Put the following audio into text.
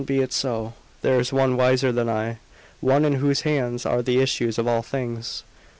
Be it so. There is One wiser than I One in whose hands are the issues of all things."